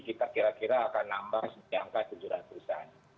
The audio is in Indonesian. kita kira kira akan menambah setiap tujuh ratus an